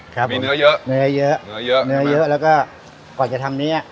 ครับมีเนื้อเยอะเนื้อเยอะเนื้อเยอะเนื้อเยอะแล้วก็กว่าจะทำเนี้ย